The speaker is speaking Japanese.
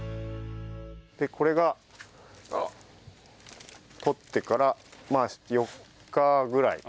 でこれがとってから４日ぐらい。